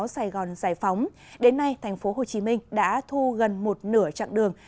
sài gòn giải phóng đến nay thành phố hồ chí minh đã thu gần một nửa chặng đường